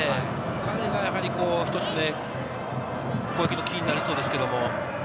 彼が一つ、攻撃のキーになりそうです。